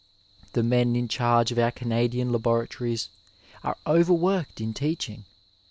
The men in charge of our Canadian laboratories are overworked in teaching.